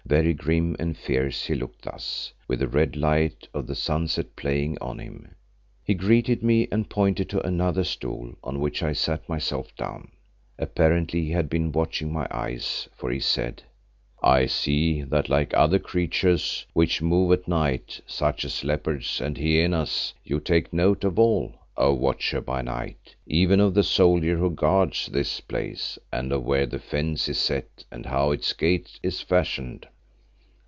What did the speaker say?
Very grim and fierce he looked thus, with the red light of the sunset playing on him. He greeted me and pointed to another stool on which I sat myself down. Apparently he had been watching my eyes, for he said, "I see that like other creatures which move at night, such as leopards and hyenas, you take note of all, O Watcher by Night, even of the soldier who guards this place and of where the fence is set and of how its gate is fashioned."